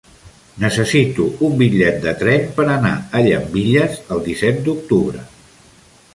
Necessito un bitllet de tren per anar a Llambilles el disset d'octubre.